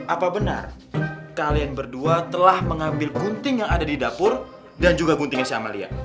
apa benar kalian berdua telah mengambil gunting yang ada di dapur dan juga guntingin si amalia